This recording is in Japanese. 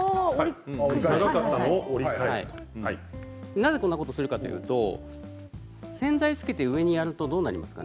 なぜこんなことをするかというと洗剤をつけて手を上に上げるとどうなりますか？